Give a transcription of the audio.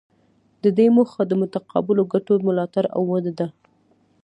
د دې موخه د متقابلو ګټو ملاتړ او وده ده